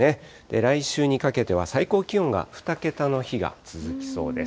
来週にかけては最高気温が２桁の日が続きそうです。